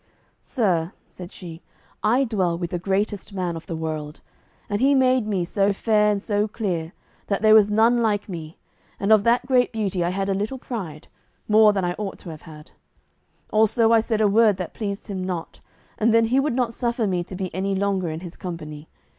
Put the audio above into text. "Sir," said she, "I dwell with the greatest man of the world, and he made me so fair and so clear that there was none like me, and of that great beauty I had a little pride, more than I ought to have had. Also I said a word that pleased him not, and then he would not suffer me to be any longer in his company.